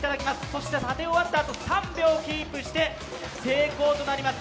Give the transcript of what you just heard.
そして立て終わったあと３秒キープして成功となります。